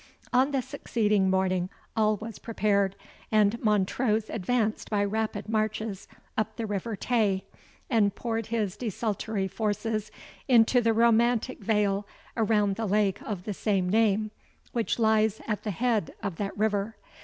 On the succeeding morning all was prepared, and Montrose advanced by rapid marches up the river Tay, and poured his desultory forces into the romantic vale around the lake of the same name, which lies at the head of that river.